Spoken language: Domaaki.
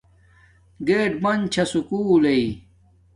گیٹ بن چھا سکُول لݵ